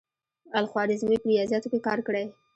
الخوارزمي په ریاضیاتو کې کار کړی.